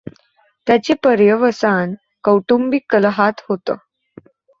त्याचे पर्यवसान कौटुंबिक कलहात होतंं.